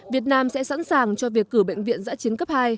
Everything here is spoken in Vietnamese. việt nam sẽ sẵn sàng cho việc cử bệnh viện giã chiến cấp hai